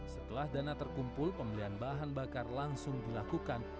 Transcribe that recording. setelah dana terkumpul pembelian bahan bakar langsung dilakukan